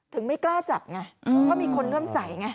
ไม่กล้าจับไงเพราะมีคนเริ่มใสไง